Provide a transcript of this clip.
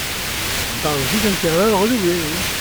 On parle aussi d'intervalle redoublé.